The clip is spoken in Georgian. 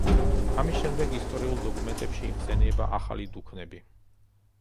ამის შემდეგ ისტორიულ დოკუმენტებში იხსენიება „ახალი დუქნები“.